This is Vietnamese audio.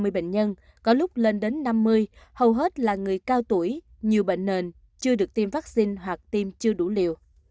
ba mươi bệnh nhân có lúc lên đến năm mươi hầu hết là người cao tuổi nhiều bệnh nền chưa được tiêm vaccine hoặc tiêm chưa đủ liều